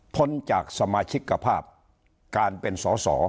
พ้นจากสมาชิกภาพการเป็นสอสอ